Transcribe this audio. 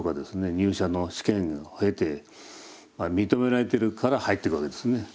入社の試験を経て認められてるから入っていくわけですね。